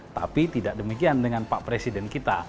tapi tidak demikian dengan pak presiden kita